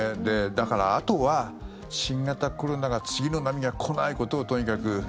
だから、あとは新型コロナが次の波が来ないことをとにかく。